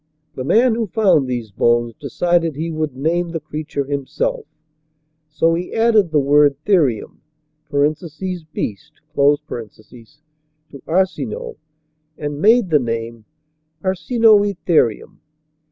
The man who found these bones decided he would name the creature himself. So he added the word "therium" (beast) to Arsinoe and made the name Arsinoitherium.